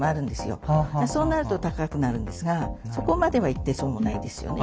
そうなると高くなるんですがそこまではいってそうもないですよね。